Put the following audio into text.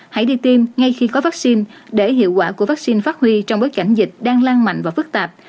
hãy đi tiêm ngay khi có vaccine để hiệu quả của vaccine phát huy trong bối cảnh dịch đang lan mạnh và phức tạp